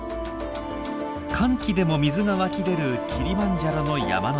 乾季でも水が湧き出るキリマンジャロの山の中。